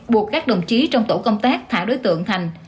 buộc các đồng chí trong tổ công tác thả đối tượng thành